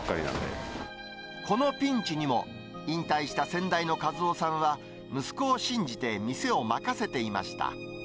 このピンチにも、引退した先代の一夫さんは、息子を信じて店を任せていました。